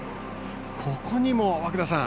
ここにも和久田さん